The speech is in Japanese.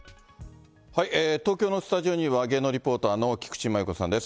東京のスタジオには、芸能リポーターの菊池真由子さんです。